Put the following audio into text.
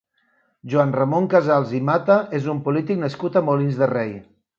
Joan Ramon Casals i Mata és un polític nascut a Molins de Rei.